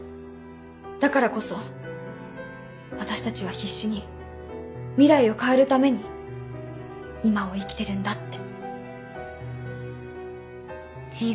だからこそ私たちは必死に未来を変えるために今を生きてるんだって。